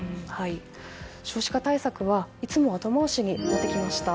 少子化対策はいつも後回しになってきました。